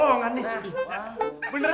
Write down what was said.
berlang anak pesut